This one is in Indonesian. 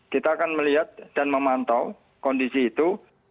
kita akan melihat dan memantau kondisi itu